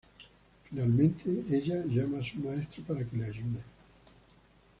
Finalmente ella llama a su maestro para que la ayude.